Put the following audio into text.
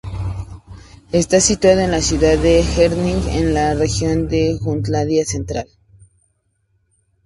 Está situado en la ciudad de Herning, en la región de Jutlandia Central.